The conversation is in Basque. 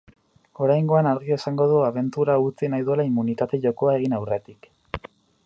Oraingoan argi esango du abentura utzi nahi duela immunitate-jokoa egin aurretik.